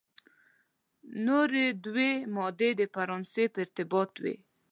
نوري دوې مادې د فرانسې په ارتباط وې.